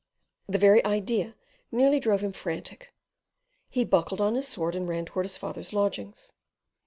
The very idea nearly drove him frantic; he buckled on his sword and ran towards his father's lodgings.